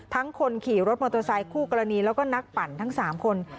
คนขี่รถมอเตอร์ไซคู่กรณีแล้วก็นักปั่นทั้ง๓คน